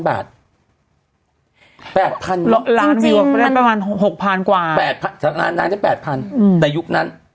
๘๐๐๐บาทจริงนางได้๖๐๐๐กว่านางได้๘๐๐๐ในยุคนั้น